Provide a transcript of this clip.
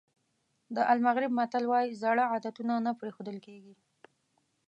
د المغرب متل وایي زاړه عادتونه نه پرېښودل کېږي.